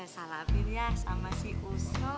salabil ya sama si uso